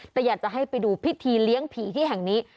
แต่อยากจะให้ไปดูพิธีเลี้ยงผีที่แห่งนี้